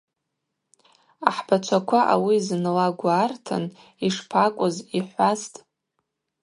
Ахӏбачваква ауи зынла гвы артын: – Йшпакӏвыз, йхӏвастӏ.